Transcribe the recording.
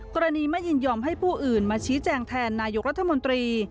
กรณีไม่ยินยอมให้ผู้อื่นมาชี้แจงแทนนายกรัฐมนตรี